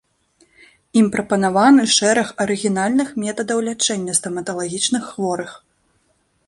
Ім прапанаваны шэраг арыгінальных метадаў лячэння стаматалагічных хворых.